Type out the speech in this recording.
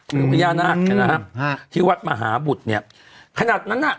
หรือพญานาคเนี่ยนะฮะที่วัดมหาบุตรเนี่ยขนาดนั้นน่ะ